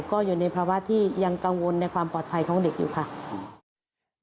ก็อยู่ในภาวะที่ยังกังวลในความปลอดภัยของเด็กอยู่ค่ะ